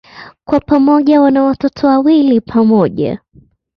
Kwa pamoja wana watoto wawili pamoja.